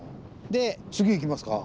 次いきますか。